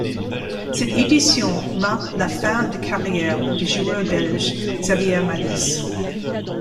Cette édition marque la fin de carrière du joueur belge Xavier Malisse.